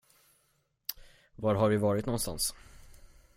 Var har vi varit nånstans?